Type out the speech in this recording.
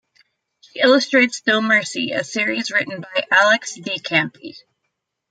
She illustrates "No Mercy", a series written by Alex di Campi.